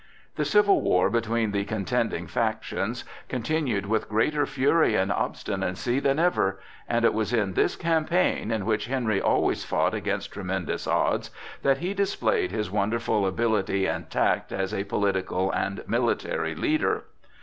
The civil war between the contending factions continued with greater fury and obstinacy than ever, and it was in this campaign, in which Henry always fought against tremendous odds, that he displayed his wonderful ability and tact as a political and military leader.